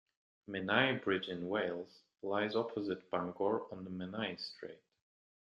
Menai Bridge in Wales lies opposite Bangor on the Menai Strait.